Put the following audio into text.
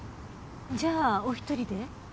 じゃあお１人で？